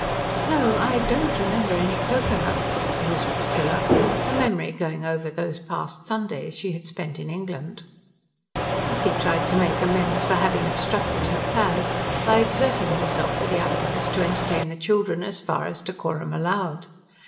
"No, I don't remember any cocoa nuts," mused Priscilla, her memory going over those past Sundays she had spent in England. Tussie tried to make amends for having obstructed her plans by exerting himself to the utmost to entertain the children as far as decorum allowed.